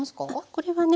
これはね